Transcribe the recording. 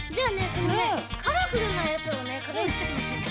そのねカラフルなやつをねかざりつけてほしいの。